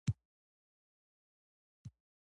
ښوونځی د پرمختګ لومړنی ګام دی.